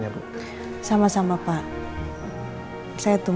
kalau kerja waktu itu mereka jadi mus hajarus